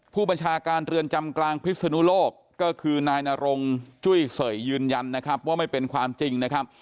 ผู้บัญชาการเรือนจำกลางพิศนุโลกก็คือนายนรงจุ้ยเสยยืนยันนะครับว่าไม่เป็นความจริงนะครับ